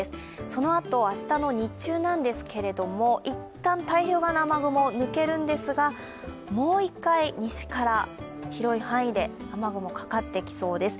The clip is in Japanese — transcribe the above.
そのあと明日の日中なんですけど、いったん太平洋側の雨雲抜けるんですがもう一回、西から広い範囲で雨雲がかかってきそうです。